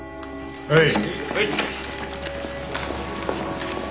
はい。